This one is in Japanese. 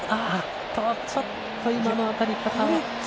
ちょっと今の当たり方。